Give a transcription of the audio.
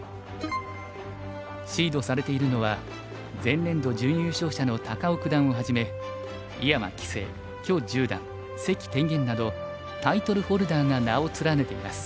シードされているのは前年度準優勝者の高尾九段をはじめ井山棋聖許十段関天元などタイトルホルダーが名を連ねています。